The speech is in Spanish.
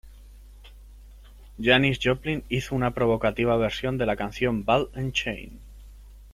Janis Joplin hizo una provocativa versión de la canción "Ball ´n´ Chain".